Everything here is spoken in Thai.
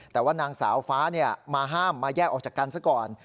แต่ว่านางสาวฟ้ามาห้ามมาแยกออกจากกันซะก่อน